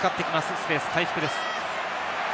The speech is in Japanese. スペース回復です。